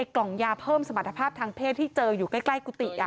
กล่องยาเพิ่มสมรรถภาพทางเพศที่เจออยู่ใกล้กุฏิ